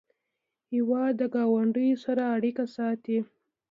هېواد د ګاونډیو سره اړیکې ساتي.